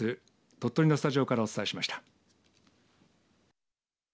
鳥取のスタジオからお伝えしました。